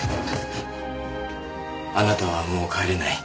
あなたはもう帰れない。